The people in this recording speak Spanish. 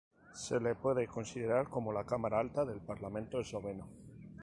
Se le puede considerar como la cámara alta del parlamento esloveno.